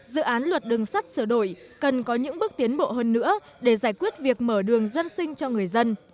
dự án luật đường sắt sửa đổi cần có những bước tiến bộ hơn nữa để giải quyết việc mở đường dân sinh cho người dân